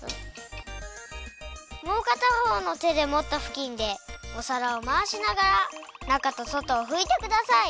もうかたほうの手でもったふきんでお皿をまわしながら中と外をふいてください。